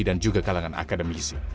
dan juga kalangan akademisi